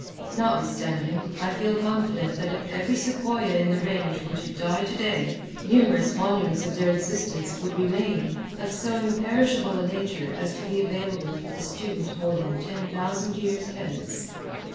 Notwithstanding, I feel confident that if every sequoia in the Range were to die today, numerous monuments of their existence would remain, of so imperishable a nature as to be available for the student more than ten thousand years hence.